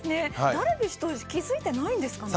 ダルビッシュ投手気づいていないんですかね。